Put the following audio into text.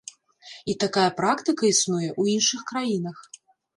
І такая практыка існуе ў іншых краінах.